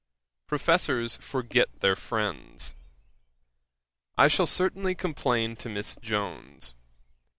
Professors forget their friends. I shall certainly complain to Miss Jones.